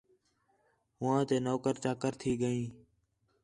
ہوآں تے نوکر چاکر تھی ڳئین